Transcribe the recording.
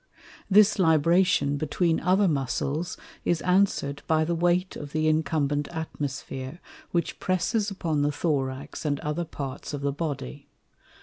This Libration between other Muscles, is answer'd by the Weight of the incumbent Atmosphere, which presses upon the Thorax and other parts of the Body.